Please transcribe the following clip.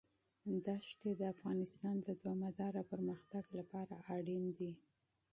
دښتې د افغانستان د دوامداره پرمختګ لپاره اړین دي.